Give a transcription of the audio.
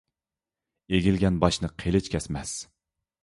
ئېگىلگەن باشنى قېلىچ كەسمەس.